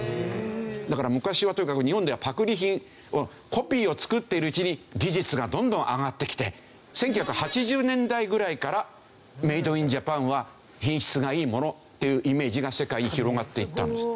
だから昔はとにかく日本ではパクリ品コピーを作ってるうちに技術がどんどん上がってきて１９８０年代ぐらいからメイド・イン・ジャパンは品質がいいものっていうイメージが世界に広がっていったんです。